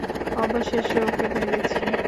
অবশেষে ওকে মেরেছি!